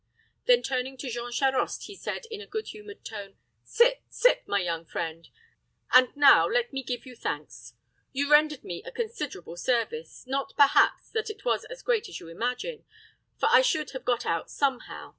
Then turning to Jean Charost, he said, in a good humored tone, "Sit, sit, my young friend. And now let me give you thanks. You rendered me a considerable service not, perhaps, that it was as great as you imagine; for I should have got out somehow.